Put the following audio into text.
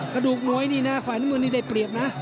กระดูกมวยนี่นะฝ่ายน้ำเงินนี่ได้เปรียบนะ